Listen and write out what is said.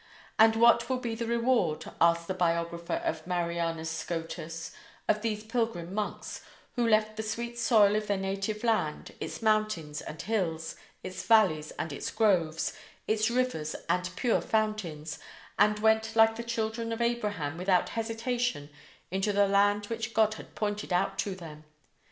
"And what will be the reward," asks the biographer of Marianus Scotus, "of these pilgrim monks who left the sweet soil of their native land, its mountains and hills, its valleys and its groves, its rivers and pure fountains, and went like the children of Abraham without hesitation into the land which God had pointed out to them?"